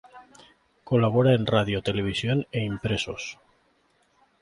Colabora en radio, televisión e impresos.